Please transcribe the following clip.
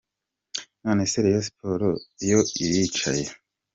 None se Rayon Sports yo iricaye?.